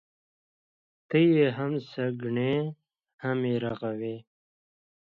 ته يې هم سکڼې ، هم يې رغوې.